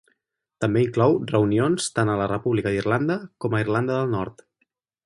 També inclou reunions tant a la República d'Irlanda com a Irlanda del Nord.